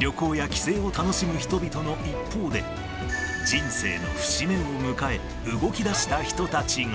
旅行や帰省を楽しむ人々の一方で、人生の節目を迎え、動きだした人いるいるいる。